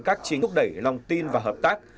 các chính thúc đẩy lòng tin và hợp tác